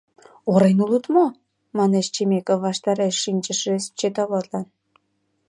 Орен улыт мо? — манеш Чемеков ваштареш шинчыше счетоводлан.